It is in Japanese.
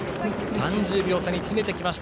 ３０秒差に詰めてきました。